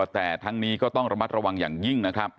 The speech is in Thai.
แต่ทั้งนี้ก็ต้องระมัดระวังอย่างยิ่งนะครับ